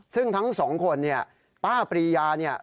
ซึ่งทั้งสองคนเนี่ยป้าปรียาเนี่ย